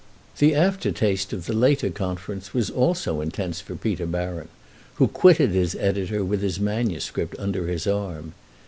The aftertaste of the later conference was also intense for Peter Baron, who quitted his editor with his manuscript under his arm.